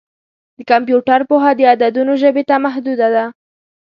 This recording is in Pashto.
د کمپیوټر پوهه د عددونو ژبې ته محدوده ده.